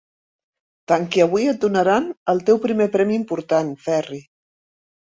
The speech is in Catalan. Tant que avui et donaran el teu primer premi important, Ferri.